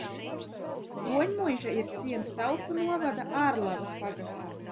Kroņmuiža ir ciems Talsu novada Ārlavas pagastā.